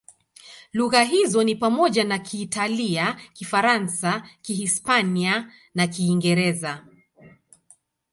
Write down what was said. Lugha hizo ni pamoja na Kiitalia, Kifaransa, Kihispania na Kiingereza.